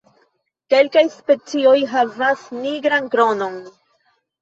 Kelkaj specioj havas nigran kronon.